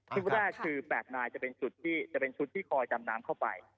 ที่แรกคือ๘นายจะเป็นชุดที่คอยจำน้ำเข้าไป